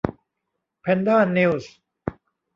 แพนด้านิวส์